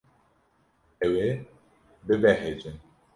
Ew ê bibehece.